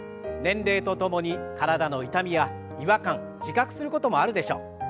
年齢とともに体の痛みや違和感自覚することもあるでしょう。